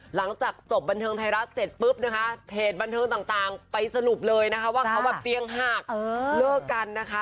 หลังจากจบบันเทิงไทยรัฐเสร็จปุ๊บนะคะเพจบันเทิงต่างไปสรุปเลยนะคะว่าเขาแบบเตียงหักเลิกกันนะคะ